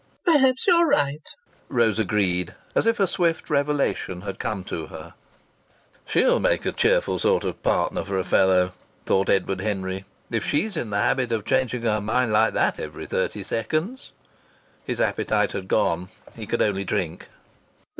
'" "Perhaps you're right!" Rose agreed, as if a swift revelation had come to her. "Yes, you're right." ("She'll make a cheerful sort of partner for a fellow," thought Edward Henry, "if she's in the habit of changing her mind like that every thirty seconds." His appetite had gone. He could only drink.)